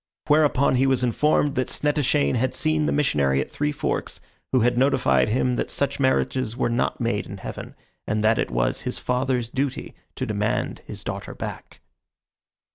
Whereupon he was informed that Snettishane had seen the missionary at Three Forks, who had notified him that such marriages were not made in heaven, and that it was his father's duty to demand his daughter back.